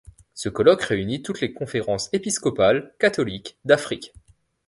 Ce colloque réunit toutes les conférences épiscopales catholiques d'Afrique.